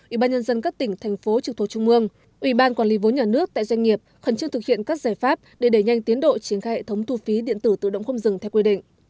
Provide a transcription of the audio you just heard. ủy ban nhân dân các tỉnh thành phố trực thuộc trung ương ủy ban quản lý vốn nhà nước tại doanh nghiệp khẩn trương thực hiện các giải pháp để đẩy nhanh tiến độ triển khai hệ thống thu phí điện tử tự động không dừng theo quy định